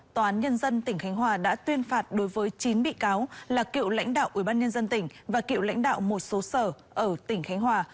tòa án nhân dân tỉnh khánh hòa đã tuyên phạt đối với chín bị cáo là cựu lãnh đạo ubnd tỉnh và cựu lãnh đạo một số sở ở tỉnh khánh hòa